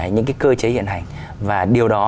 những cái cơ chế hiện hành và điều đó